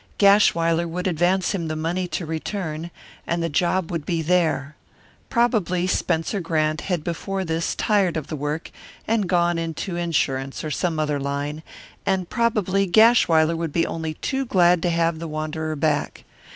Gashwiler would advance him the money to return, and the job would be there. Probably Spencer Grant had before this tired of the work and gone into insurance or some other line, and probably Gashwiler would be only too glad to have the wanderer back.